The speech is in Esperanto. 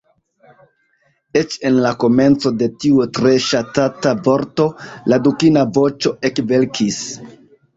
Eĉ en la komenco de tiu tre ŝatata vorto, la dukina voĉo ekvelkis.